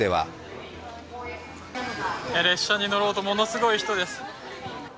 列車に乗ろうとものすごい人です。